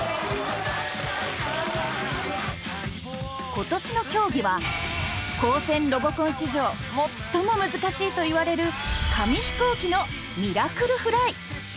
今年の競技は高専ロボコン史上最も難しいといわれる紙飛行機の「ミラクルフライ」。